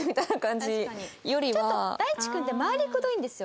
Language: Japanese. ちょっと大地君って回りくどいんですよ